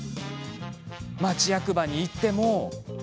町役場に行っても。